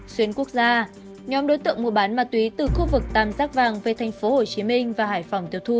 xuyên quốc gia nhóm đối tượng mua bán ma túy từ khu vực tam giác vàng về thành phố hồ chí minh và hải phòng tiêu thụ